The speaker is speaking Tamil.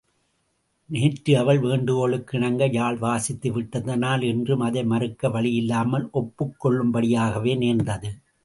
நேற்று அவள் வேண்டுகோளுக்கு இணங்கி யாழ் வாசித்துவிட்டதனால் இன்றும் அதை மறுக்க வழியில்லாமல் ஒப்புக் கொள்ளும்படியாகவே நேர்ந்தது.